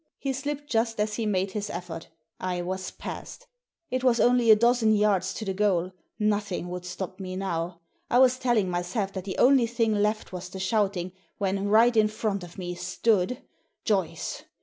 He slipped just as he made his effort I was past It was only a dozen yards to the goaL Nothing would stop me now. I was telling myself that the only thing left was the shout ing, when, right in front of me, stood — Joyce